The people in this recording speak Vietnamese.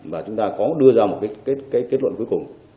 và chúng ta có đưa ra một cái kết luận cuối cùng